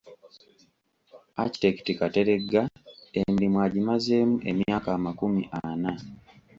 Architect Kateregga emirimu agimazeemu emyaka amakumi ana.